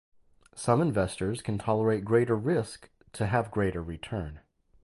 Some investors can tolerate greater risk to have greater return.